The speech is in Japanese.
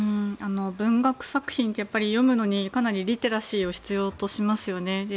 文学作品って読むのにリテラシーを必要としますよね。